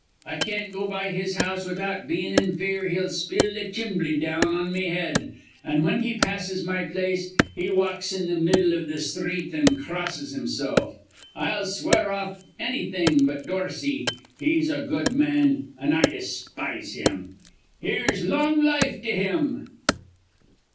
I can't go by his house without bein' in fear he'll spill th' chimbly down on me head; an', whin he passes my place, he walks in th' middle iv th' sthreet, an' crosses himsilf. I'll swear off on annything but Dorsey. He's a good man, an' I despise him. Here's long life to him."